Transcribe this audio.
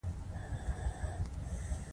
مېرمنې یې ما ته سېګنورینو وویل او ژړل یې.